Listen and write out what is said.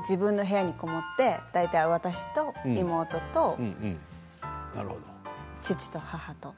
自分の部屋にこもって大体、私と妹と父と母と。